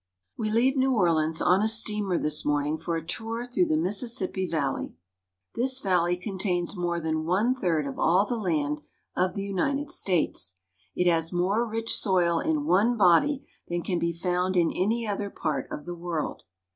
WE leave New Orleans on a steamer this morning for a tour through the Mississippi Valley. This valley contains more than one third of all the land of the United States. It has more rich soil in one body than can be found in any other part of the world.